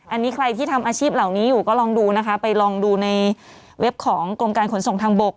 อันนี้ใครที่ทำอาชีพเหล่านี้อยู่ก็ลองดูนะคะไปลองดูในเว็บของกรมการขนส่งทางบก